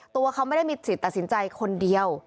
ตัวเขาไม่ได้มีจิตตัดสินใจคนเดียว